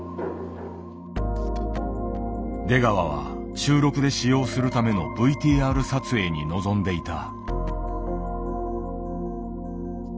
出川は収録で使用するためのＶＴＲ撮影に臨んでいた。